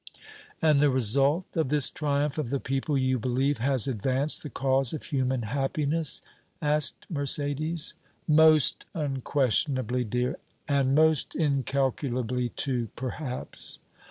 "And the result of this triumph of the people you believe has advanced the cause of human happiness?" asked Mercédès. "Most unquestionably, dear, and most incalculably, too, perhaps."